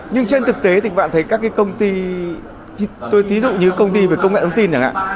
nhưng trên thực tế thì các bạn thấy các cái công ty tôi ví dụ như công ty về công nghệ thông tin chẳng hạn